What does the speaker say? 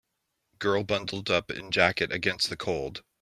Girl bundled up in jacket against the cold.